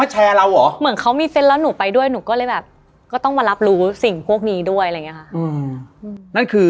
ใช่เหมือนเขามีเซ็นต์แล้วหนูไปด้วยหนูก็เลยแบบก็ต้องมารับรู้สิ่งพวกนี้ด้วยอะไรอย่างนี้ค่ะ